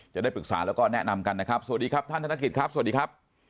จะได้ปรึกษาแล้วก็แนะนำกันนะครับสวัสดีครับท่านธนกิจครับสวัสดีครับ